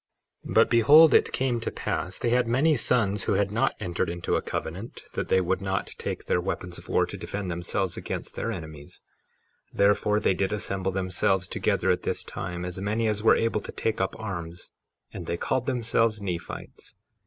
53:16 But behold, it came to pass they had many sons, who had not entered into a covenant that they would not take their weapons of war to defend themselves against their enemies; therefore they did assemble themselves together at this time, as many as were able to take up arms, and they called themselves Nephites.